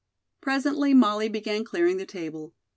Presently Molly began clearing the table.